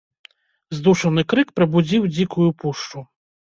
Здушаны крык прабудзіў дзікую пушчу.